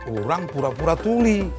orang pura pura tuli